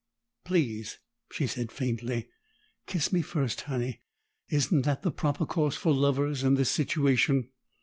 "Please," she said faintly. "Kiss me first, Honey. Isn't that the proper course for lovers in this situation?"